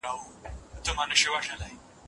ژوند د زدکړو لار ده